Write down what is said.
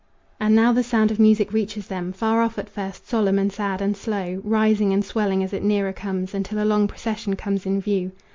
And now the sound of music reaches them, Far off at first, solemn and sad and slow, Rising and swelling as it nearer comes, Until a long procession comes in view.